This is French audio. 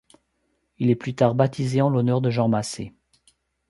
Il est plus tard baptisé en l'honneur de Jean Macé.